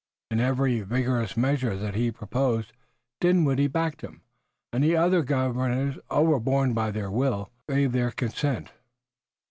In every vigorous measure that he proposed Dinwiddie backed him, and the other governors, overborne by their will, gave their consent.